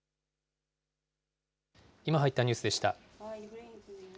今入った、ニュースでした。